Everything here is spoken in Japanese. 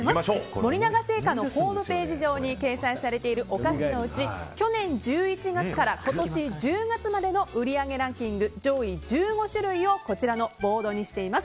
森永製菓のホームページ上に掲載されているお菓子のうち去年１１月から今年１０月までの売上ランキング上位１５種類をこちらのボードにしています。